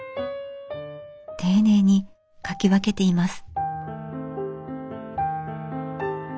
丁寧に描き分けています。